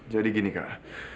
jadi gini kak